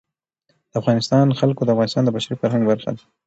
د افغانستان جلکو د افغانستان د بشري فرهنګ برخه ده.